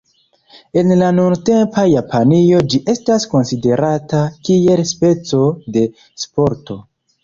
En la nuntempa Japanio ĝi estas konsiderata kiel speco de sporto.